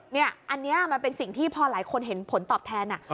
เนี่ยอันนี้มันเป็นสิ่งที่พอหลายคนเห็นผลตอบแทน